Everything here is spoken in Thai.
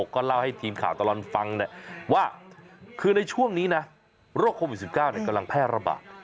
ก็เล่าให้ทีมข่าวตลอดฟังว่าคือในช่วงนี้นะโรคโควิด๑๙กำลังแพร่ระบาด